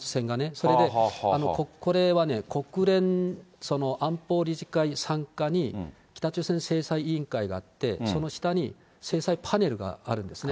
それで、これはね、国連安保理事会傘下に北朝鮮制裁委員会があって、その下に制裁パネルがあるんですね。